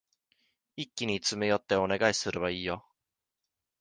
一気に詰め寄ってお願いすればいいよ。